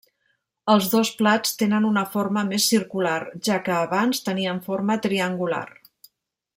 Els dos plats tenen una forma més circular, ja que abans tenien forma triangular.